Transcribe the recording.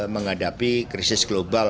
menghadapi krisis global